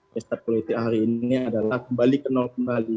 pesta politik hari ini adalah kembali ke nol kembali